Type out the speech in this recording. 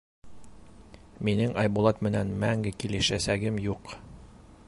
Минең Айбулат менән мәңге килешәсәгем юҡ.